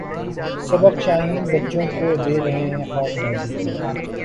سبق شاہیں بچوں کو دے رہے ہیں خاک بازی کا